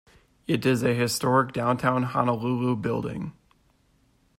It is a historic downtown Honolulu building.